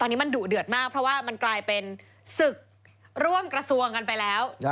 ตอนนี้มันดุเดือดมากเพราะว่ามันกลายเป็นศึกร่วมกระทรวงกันไปแล้ว